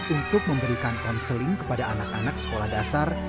untuk memberikan konseling kepada anak anak sekolah dasar